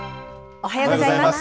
おはようございます。